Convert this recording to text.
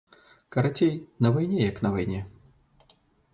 Карацей, на вайне як на вайне.